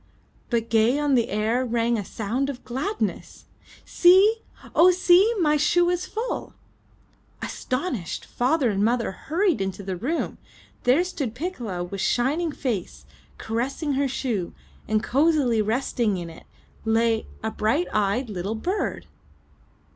But gay on the air, rang a sound of gladness. "See! Oh, see! My shoe is full!" Astonished, father and mother hurried into the room. There stood Piccola with shining face, caressing her shoe, and cozily resting in it, lay — a bright eyed little bird!